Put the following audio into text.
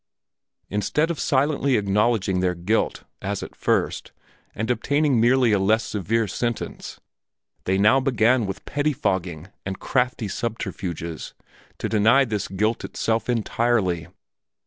Instead of silently acknowledging their guilt, as at first, and obtaining merely a less severe sentence, they now began with pettifogging and crafty subterfuges to deny this guilt itself entirely.